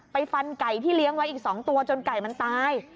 ฟันไก่ที่เลี้ยงไว้อีก๒ตัวจนไก่มันตาย